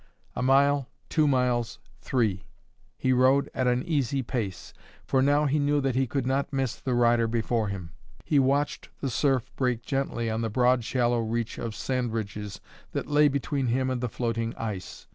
A mile, two miles, three; he rode at an easy pace, for now he knew that he could not miss the rider before him. He watched the surf break gently on the broad shallow reach of sand ridges that lay between him and the floating ice.